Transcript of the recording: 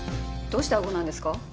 どうしてあごなんですか？